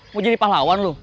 mau jadi pahlawan lo